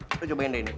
kita cobain deh ini